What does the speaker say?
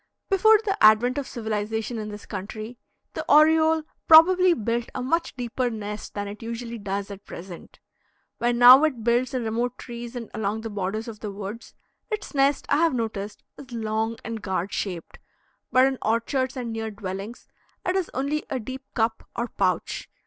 Before the advent of civilization in this country, the oriole probably built a much deeper nest than it usually does at present. When now it builds in remote trees and along the borders of the woods, its nest, I have noticed, is long and gourd shaped; but in orchards and near dwellings it is only a deep cup or pouch.